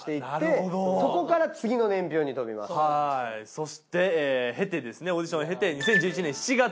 そしてオーディションを経て２０１１年７月